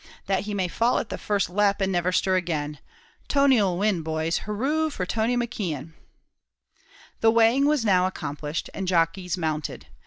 That he may fall at the first lep, and never stir again! Tony 'll win, boys! Hurroo for Tony McKeon." The weighing was now accomplished, and jockeys mounted.